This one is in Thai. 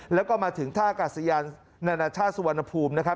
แล้วก็มาถึงท่ากาศยาลนานัทชาติสวรรภูมิ